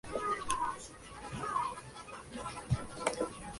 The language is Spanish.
Una lámpara de vidrio de Murano cuelga del techo.